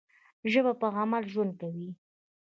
ژبه په عمل ژوند کوي.